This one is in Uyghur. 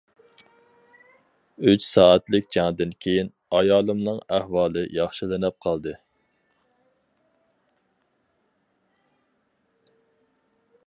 ئۈچ سائەتلىك جەڭدىن كېيىن، ئايالىمنىڭ ئەھۋالى ياخشىلىنىپ قالدى.